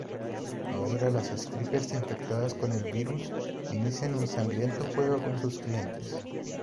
Ahora, las strippers, infectadas con el virus, inician un sangriento juego con sus clientes.